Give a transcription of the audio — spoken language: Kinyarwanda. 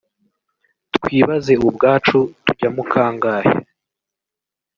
twibaze ubwacu tujyamo kangahe